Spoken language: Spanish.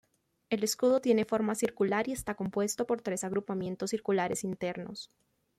El escudo tiene forma circular y está compuesto por tres agrupamientos circulares internos.